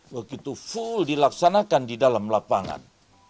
begitu full dilaksanakan di dalam lapangan